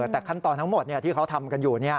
แต่ขั้นตอนทั้งหมดที่เขาทำกันอยู่